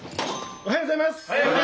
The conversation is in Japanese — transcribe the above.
おはようございます！